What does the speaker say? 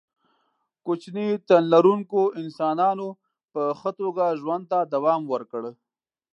کوچني تن لرونکو انسانانو په ښه توګه ژوند ته دوام ورکړ.